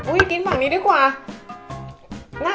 กินฝั่งนี้ดีกว่า